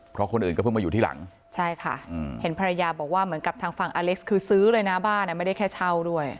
เพราะคนอื่นก็เพิ่งมาอยู่ที่หลังใช่ค่ะเห็นภรรยาบอกว่าเหมือนกับทางฝั่งอเล็กซ์คือซื้อเลยนะบ้านไม่ได้แค่เช่าด้วย